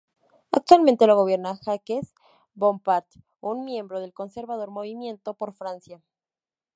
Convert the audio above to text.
Actualmente lo gobierna Jacques Bompard, un miembro del conservador Movimiento por Francia.